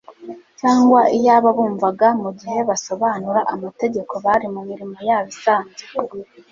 cyangwa iy'ababumvaga mu gihe basobanura amategeko bari mu mirimo yabo isanzwe.